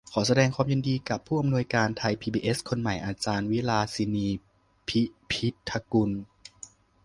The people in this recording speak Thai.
ขอแสดงความยินดีกับผู้อำนวยการไทยพีบีเอสคนใหม่อาจารย์วิลาสินี พิพิธกุล